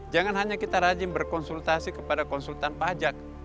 jangan hanya kita rajin berkonsultasi kepada konsultan pajak